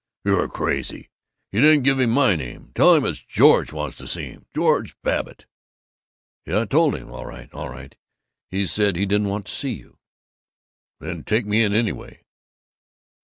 "You're crazy! You didn't give him my name! Tell him it's George wants to see him, George Babbitt." "Yuh, I told him, all right, all right! He said he didn't want to see you." "Then take me in anyway."